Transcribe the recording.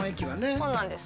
そうなんです。